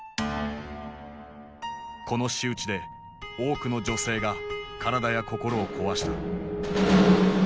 この仕打ちで多くの女性が体や心を壊した。